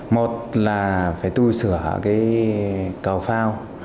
một là phải tu sửa cầu phao